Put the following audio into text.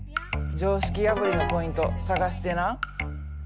常識破りのポイント探してな。